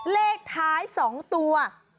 เลขท้าย๒ตัว